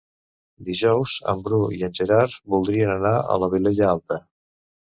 Dijous en Bru i en Gerard voldrien anar a la Vilella Alta.